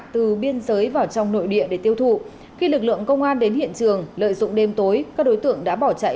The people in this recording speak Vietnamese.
từ biên giới vào trong nội địa để tiêu thụ khi lực lượng công an đến hiện trường lợi dụng đêm tối các đối tượng đã bỏ chạy